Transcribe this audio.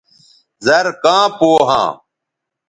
زر کاں پو ھاں